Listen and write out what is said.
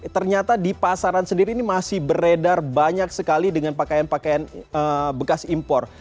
ternyata di pasaran sendiri ini masih beredar banyak sekali dengan pakaian pakaian bekas impor